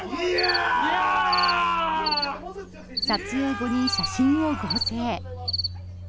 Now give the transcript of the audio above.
撮影後に写真を合成。